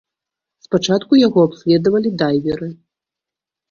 Спачатку яго абследавалі дайверы.